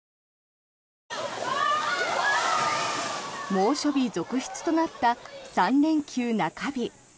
猛暑日続出となった３連休中日。